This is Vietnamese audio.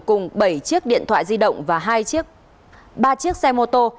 cùng bảy chiếc điện thoại di động và hai ba chiếc xe mô tô